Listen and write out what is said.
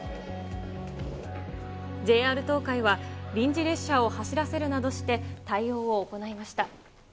ＪＲ東海は、臨時列車を走らせるなどして、対応を行いました。